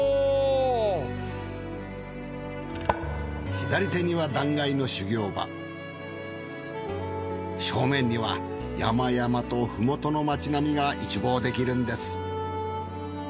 左手には断崖の修行場正面には山々と麓の町並みが一望できるんです。